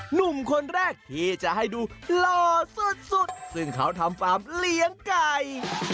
หนุ่มคนแรกที่จะให้ดูหล่อสุดสุดซึ่งเขาทำฟาร์มเลี้ยงไก่